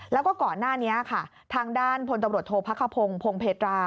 แล้วก็ก่อนหน้านี้ค่ะทางด้านพลตำรวจโทษพระคพงศ์พงเพตรา